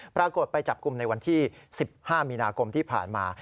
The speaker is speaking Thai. ปรากฏไปจับกลุ่มในวันที่๑๕มีนาคมที่ผ่านมา